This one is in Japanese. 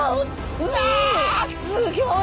うわあすギョい。